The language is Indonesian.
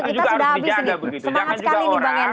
semangat sekali nih bang yansan